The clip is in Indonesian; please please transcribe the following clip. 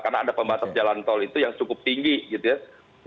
karena ada pembatas jalan tol itu yang cukup tinggi gitu ya